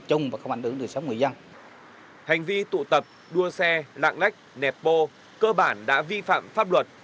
hành vi tụ tập đua xe lạng lách nẹp bô cơ bản đã vi phạm pháp luật